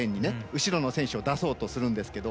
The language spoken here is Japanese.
後ろの選手を出そうとするんですけど。